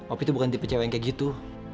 opi itu bukan tipe cewek yang kayak gitu